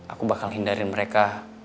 aku bakal hindarin mereka